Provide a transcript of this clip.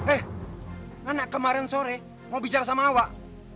eh anak kemarin sore mau bicara sama awak